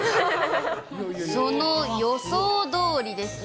その予想どおりですね。